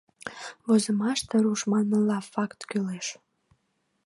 Возымаште, руш манмыла, факт кӱлеш.